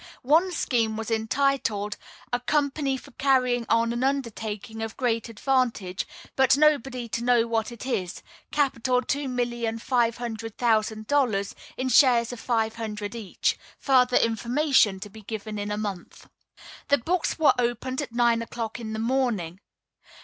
One scheme was entitled: "A company for carrying on an undertaking of great advantage, but nobody to know what it is capital two million five hundred thousand dollars, in shares of five hundred each. Further information to be given in a month." The books were opened at nine o'clock in the morning.